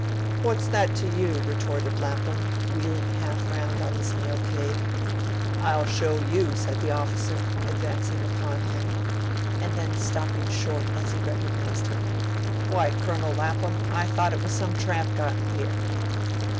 "What's that to you?" retorted Lapham, wheeling half round on his nail keg. "I'll show you," said the officer, advancing upon him, and then stopping short as he recognised him. "Why, Colonel Lapham! I thought it was some tramp got in here!"